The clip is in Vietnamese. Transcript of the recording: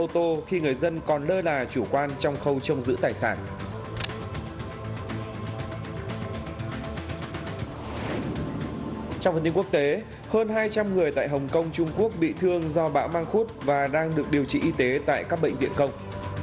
trong phần tin quốc tế hơn hai trăm linh người tại hồng kông trung quốc bị thương do bão mang khúc và đang được điều trị y tế tại các bệnh viện công